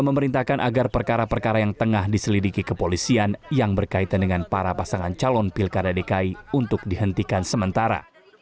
memerintahkan agar perkara perkara yang tengah diselidiki kepolisian yang berkaitan dengan para pasangan calon pilkada dki untuk dihentikan sementara